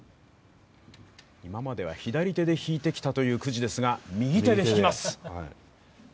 今までは左手で引いてきたというくじですが、右手で引きます。